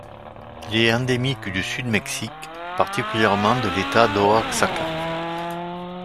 Il est endémique du sud du Mexique, particulièrement de l'État d'Oaxaca.